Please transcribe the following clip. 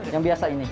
yang biasa ini